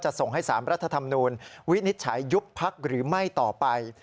ส่งให้๓รัฐธรรมนูลวินิจฉัยยุบพักหรือไม่ต่อไป